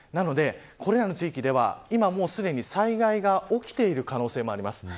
なので、これらの地域では今、もうすでに災害が起きている可能性があります。